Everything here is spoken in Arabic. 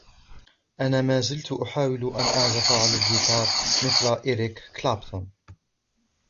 أنا مازلت أحاول ان أعزف على الجيتار مثل إريك كلابتون.